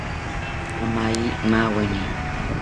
Amaye maweni